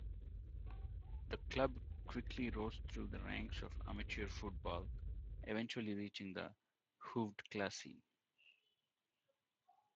The club quickly rose through the ranks of amateur football, eventually reaching the Hoofdklasse.